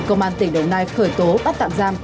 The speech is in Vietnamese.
công an tỉnh đồng nai khởi tố bắt tạm giam